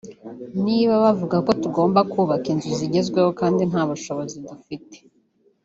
niba bavuga ko tugomba kubaka inzu zigezweho kandi nta bushobozi dufite